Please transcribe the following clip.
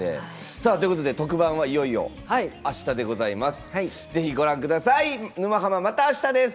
さあということで特番はいよいよあしたでございます。